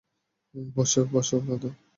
বসে বসো কাঁদবো?